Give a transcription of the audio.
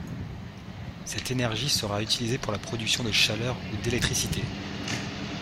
Cette énergie sera utilisée pour la production de chaleur ou d'électricité.